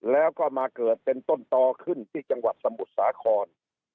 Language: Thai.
แล้วก็มาเกิดเป็นต้นตอขึ้นที่จังหวัดสมุทรสาคร